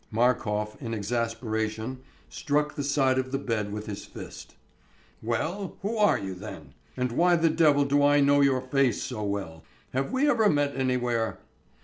Markof, in exasperation, struck the side of the bed with his fist. "Well, who are you, then? And why the devil do I know your face so well? Have we ever met anywhere?"